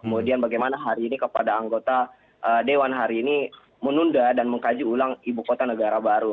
kemudian bagaimana hari ini kepada anggota dewan hari ini menunda dan mengkaji ulang ibu kota negara baru